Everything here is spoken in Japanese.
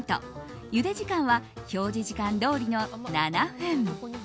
ゆで時間は表示時間どおりの７分。